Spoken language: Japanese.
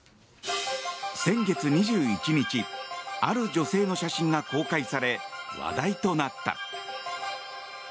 先月２１日ある女性の写真が公開され話題となった。